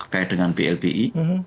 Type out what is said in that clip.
kayak dengan blbi